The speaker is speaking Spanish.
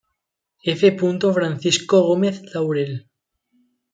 F. Francisco Gómez Laurel.